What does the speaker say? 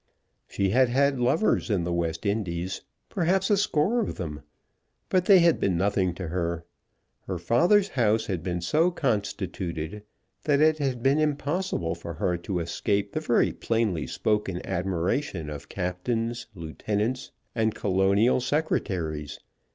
She had had lovers in the West Indies, perhaps a score of them, but they had been nothing to her. Her father's house had been so constituted that it had been impossible for her to escape the very plainly spoken admiration of captains, lieutenants, and Colonial secretaries.